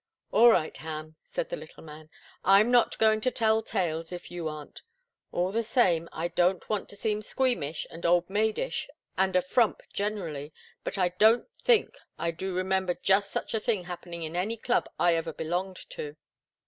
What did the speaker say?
"All right, Ham!" said the little man. "I'm not going to tell tales, if you aren't. All the same I don't want to seem squeamish, and old maid ish, and a frump generally but I don't think I do remember just such a thing happening in any club I ever belonged to.